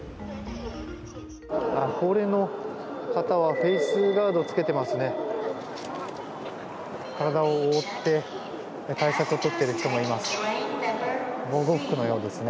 高齢の方はフェースガードをつけてますね。